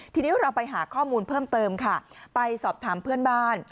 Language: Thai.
ทีนี้เราไปหาข้อมูลเพิ่มเติมค่ะไปสอบถามเพื่อนบ้าน